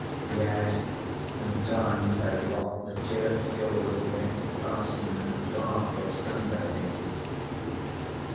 Yes, an' times they'd lock the church doors against parson an' clerk of Sundays.'